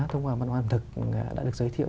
thông qua văn hóa ẩm thực đã được giới thiệu